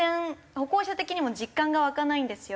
歩行者的にも実感が湧かないんですよ。